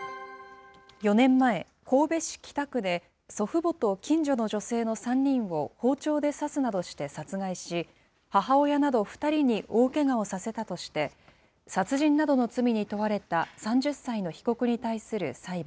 ４年前、神戸市北区で、祖父母と近所の女性の３人を包丁で刺すなどして殺害し、母親など２人に大けがをさせたとして、殺人などの罪に問われた３０歳の被告に対する裁判。